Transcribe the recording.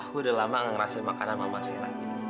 aku udah lama gak ngerasain makanan mama segera